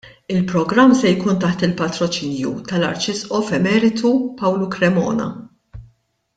Il-programm se jkun taħt il-patroċinju tal-Arċisqof Emeritu Pawlu Cremona.